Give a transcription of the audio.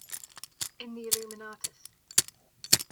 In The Illuminatus!